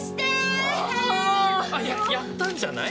やったんじゃない？